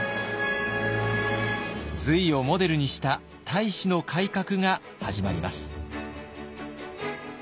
隋をモデルにした太子の改革が始まります。